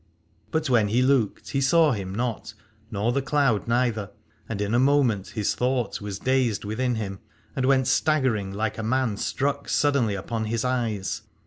But when he looked he saw him not nor the cloud neither, and in a moment his thought was dazed within him, and went staggering like a man struck suddenly upon his eyes.